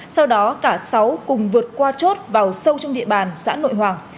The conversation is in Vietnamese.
sau đó cả sáu cùng vượt qua chốt vào sâu trong địa bàn xã nội hoàng